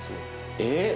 えっ？